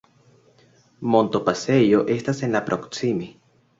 Montopasejo estas en la proksime.